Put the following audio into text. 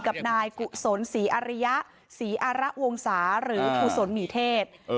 กับนายกุศลศรีอริยะศรีอาระวงศาหรือกุศลหมีเทศ